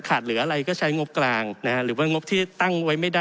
เหลืออะไรก็ใช้งบกลางนะฮะหรือว่างบที่ตั้งไว้ไม่ได้